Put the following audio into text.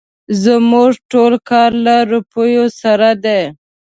زموږ ټول کار له روپيو سره دی.